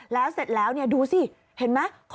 แล้วเสร็จแล้วดูสิเห็นไหม